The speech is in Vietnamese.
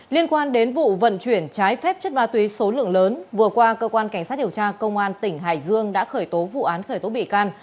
liên quan đến vụ vận chuyển trái phép chất ma túy số lượng lớn vừa qua cơ quan cảnh sát điều tra công an tỉnh hải dương đã khởi tố vụ án khởi tố bị can